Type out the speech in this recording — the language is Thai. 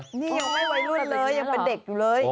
นี่ยังไม่วัยรุ่นเลยยังเป็นเด็กอยู่เลย